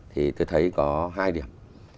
thì tôi thấy có hai điểm